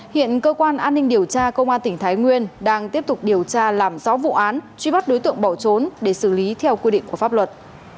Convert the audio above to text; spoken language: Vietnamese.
hiện cơ quan an ninh điều tra công an tỉnh thái nguyên đang tiếp tục điều tra làm rõ vụ án truy bắt đối tượng bỏ trốn để xử lý theo quy định của pháp luật